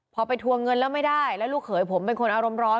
พอไปทวงเงินแล้วไม่ได้แล้วลูกเขยผมเป็นคนอารมณ์ร้อน